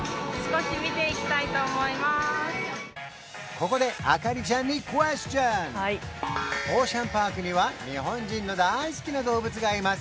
ここでオーシャンパークには日本人の大好きな動物がいます